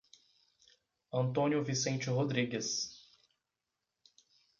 Antônio Vicente Rodrigues